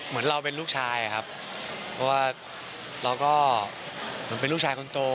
เหมือนเราเป็นลูกชายครับเพราะว่าเราก็เหมือนเป็นลูกชายคนโต